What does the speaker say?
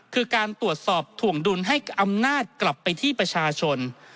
คือการตรวจสอบถ่วงดุลให้อำนาจกลับไปที่ประชาชน